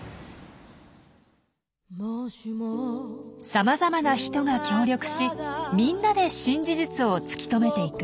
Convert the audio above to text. さまざまな人が協力しみんなで新事実を突き止めていく。